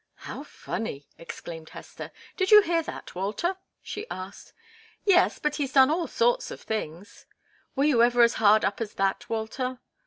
"How funny!" exclaimed Hester. "Did you hear that, Walter?" she asked. "Yes; but he's done all sorts of things." "Were you ever as hard up as that, Walter?"